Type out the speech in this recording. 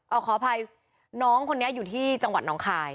เอาขออภัยน้องคนนี้อยู่ที่จังหวัดน้องคาย